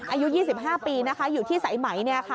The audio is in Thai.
อายุ๒๕ปีนะคะอยู่ที่สายไหม